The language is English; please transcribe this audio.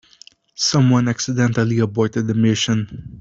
Someone accidentally aborted the mission.